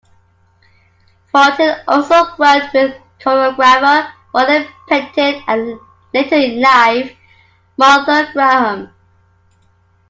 Fonteyn also worked with choreographer Roland Petit and, later in life, Martha Graham.